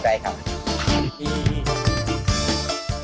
ใจครับ